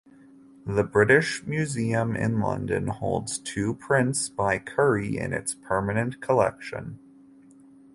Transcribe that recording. The British Museum in London holds two prints by Currey in its permanent collection.